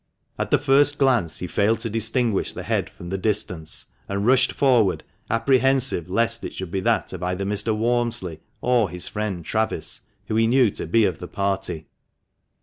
At the first glance he failed to distinguish the head from the distance, and rushed forward, apprehensive lest it should be that of either Mr. Walmsley or his friend Travis, whom he knew to be of the party.